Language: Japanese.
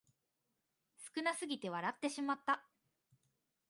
少なすぎて笑ってしまった